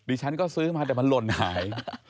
ฉันก็ซื้อมาแต่มันหล่นหาย